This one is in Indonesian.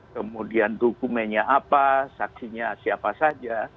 kemudian dokumennya apa saksinya siapa saja